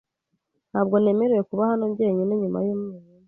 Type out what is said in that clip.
Ntabwo nemerewe kuba hano jyenyine nyuma y'umwijima .